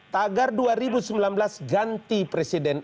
tagar dua ribu sembilan belas ganti presiden